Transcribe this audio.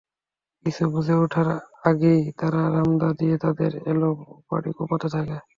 কিছু বুঝে ওঠার আগেই তারা রামদা দিয়ে তাঁদের এলোপাতাড়ি কোপাতে থাকে।